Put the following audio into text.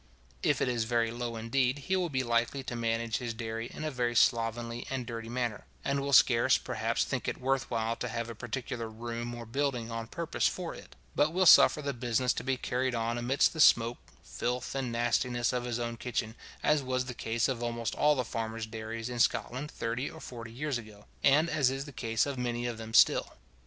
If it is very low indeed, he will be likely to manage his dairy in a very slovenly and dirty manner, and will scarce, perhaps, think it worth while to have a particular room or building on purpose for it, but will suffer the business to be carried on amidst the smoke, filth, and nastiness of his own kitchen, as was the case of almost all the farmers' dairies in Scotland thirty or forty years ago, and as is the case of many of them still.